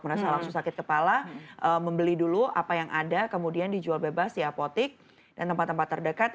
merasa langsung sakit kepala membeli dulu apa yang ada kemudian dijual bebas di apotik dan tempat tempat terdekat